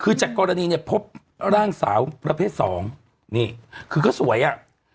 คือจากกรณีเนี่ยพบร่างสาวประเภทสองนี่คือก็สวยอ่ะ